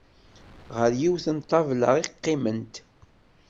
Ɣer yiwet n ṭṭabla i qqiment.